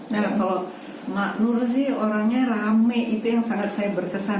nah kalau mak nur sih orangnya rame itu yang sangat saya berkesan